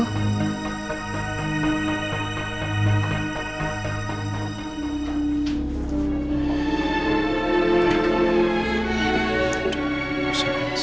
aku takut mas